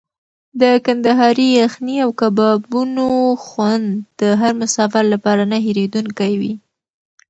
د کندهاري یخني او کبابونو خوند د هر مسافر لپاره نه هېرېدونکی وي.